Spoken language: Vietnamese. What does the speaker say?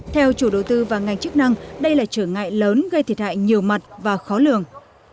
theo chủ đầu tư và ngành chức năng đây là trở ngại lớn gây thiệt hại nhiều mặt và khó lường